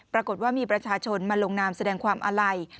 ปรากฏว่ามีประชาชนมาลงนามแสดงความอาลัย